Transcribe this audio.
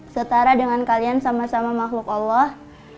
setara dengan kalian sama sama makhluk allah